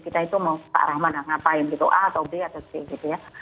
kita itu mau pak rahman ngapain gitu a atau b atau c gitu ya